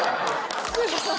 すごい。